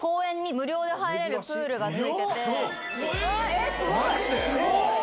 え⁉マジで？